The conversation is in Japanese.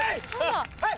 はい！